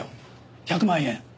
１００万円。